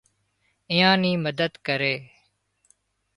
ايئان نِي مدد ڪري